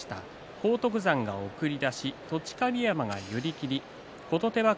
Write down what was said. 荒篤山が送り出し栃神山、寄り切り琴